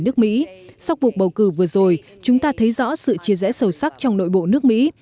nước mỹ sau cuộc bầu cử vừa rồi chúng ta thấy rõ sự chia rẽ sâu sắc trong nội bộ nước mỹ